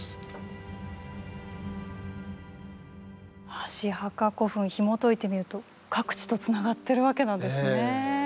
箸墓古墳ひもといてみると各地とつながってるわけなんですね。